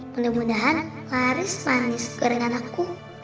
mudah mudahan laris mandis gue dan anakku